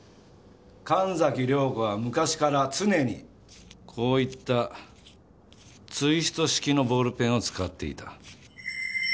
神崎涼子は昔から常にこういったツイスト式のボールペンを使っていた。